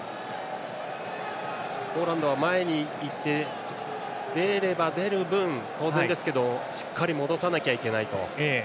ポーランドは前に行って出れば出る分当然ですがしっかり戻さなきゃいけないと。